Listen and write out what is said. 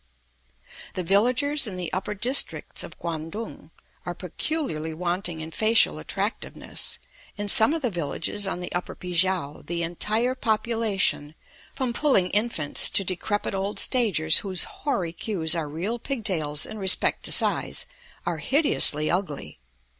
The villagers in the upper districts of Quang tung are peculiarly wanting in facial attractiveness; in some of the villages on the Upper Pi kiang the entire population, from puling infants to decrepit old stagers whose hoary cues are real pig tails in respect to size, are hideously ugly.